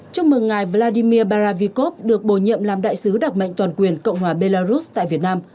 chúc mừng ngài vladimir baravikov được bổ nhiệm làm đại sứ đặc mệnh toàn quyền cộng hòa belarus tại việt nam